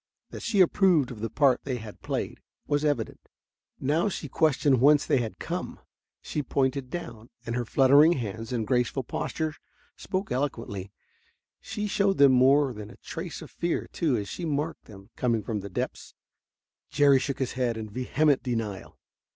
That she approved of the part they had played was evident. Now she questioned whence they had come. She pointed down, and her fluttering hands and graceful posture spoke eloquently. She showed them more than a trace of fear, too, as she marked them coming from the depths. Jerry shook his head in vehement denial.